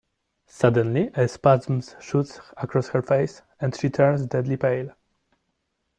Suddenly a spasm shoots across her face and she turns deadly pale.